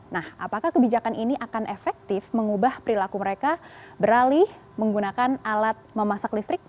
nah apakah kebijakan ini akan efektif mengubah perilaku mereka beralih menggunakan alat memasak listrik